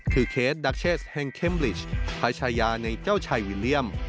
คือเคสดักเชสแห่งเข้มลิชพระชายาในเจ้าชายวิลเลี่ยม